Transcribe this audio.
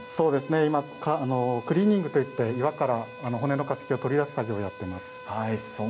今クリーニングといって岩から骨の化石を取り出す作業をやっています。